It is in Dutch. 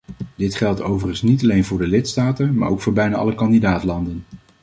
Dit geldt overigens niet alleen voor de lidstaten maar ook voor bijna alle kandidaat-landen.